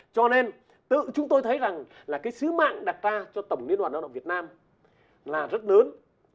cho nên tự chúng tôi thấy rằng là cái sứ mạng đặt ra cho tổng liên đoàn lao động việt nam là rất lớn